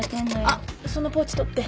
あっそのポーチ取って。